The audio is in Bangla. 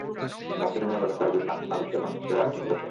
বাছির মিয়া বলে, প্রায় দুই মাস মালেশিয়ার বন্দিশিবিরে আটক ছিল সে।